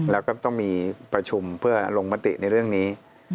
แล้วก็ต้องมีประชุมเพื่อลงมติในเรื่องนี้